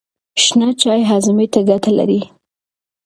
شنه چای هاضمې ته ګټه لري.